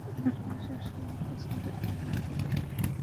আমার সবসময় প্রেসার অনেক বেশি থাকে।